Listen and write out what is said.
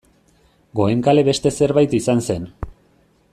Goenkale beste zerbait izan zen.